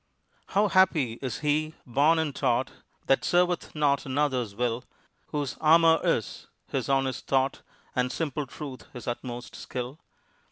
How happy is he born and taught That serveth not another's will; Whose armor is his honest thought And simple truth his utmost skill!